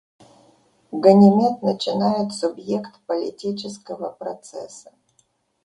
Ганимед начинает субъект политического процесса.